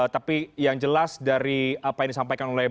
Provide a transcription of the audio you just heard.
tapi yang jelas dari apa yang disampaikan oleh